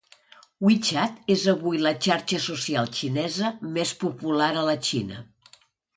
WeChat és avui la xarxa social xinesa més popular a la Xina.